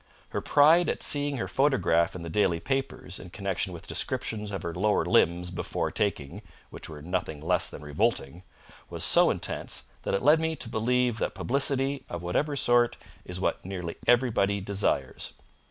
Her pride at seeing her photograph in the daily papers in connection with descriptions of her lower limbs before taking, which were nothing less than revolting, was so intense that it led me to believe that publicity, of whatever sort, is what nearly everybody desires.